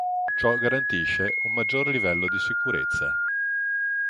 Ciò garantisce un maggior livello di sicurezza.